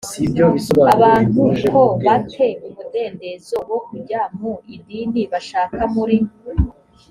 abantu ko ba te umudendezo wo kujya mu idini bashaka muri